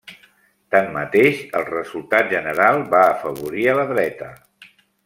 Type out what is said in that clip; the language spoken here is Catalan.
Tanmateix, el resultat general va afavorir a la dreta.